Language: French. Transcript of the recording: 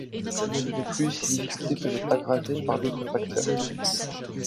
De plus, ces difficultés peuvent être aggravées par d'autres facteurs.